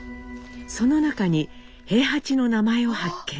その中に兵八の名前を発見。